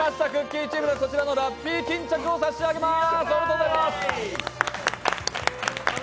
さんチームにはこちらのラッピー巾着を差し上げます。